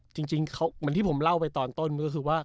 จริงเหมือนที่ผมเล่าไปตอนต้นก็คือว่า